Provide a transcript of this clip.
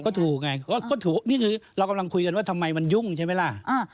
ก็ถูกไงก็ถูกนี่คือเรากำลังคุยกันว่าทำไมมันยุ่งใช่ไหมล่ะ